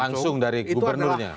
langsung dari gubernurnya